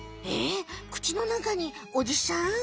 えっ口の中におじさん？